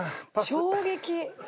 衝撃。